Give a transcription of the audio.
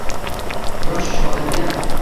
Yosh shoirga